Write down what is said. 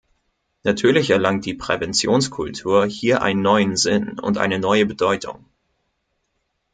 Natürlich erlangt die Präventionskultur hier einen neuen Sinn und eine neue Bedeutung.